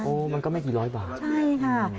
มันก็ไม่กี่ร้อยบาทใช่ค่ะ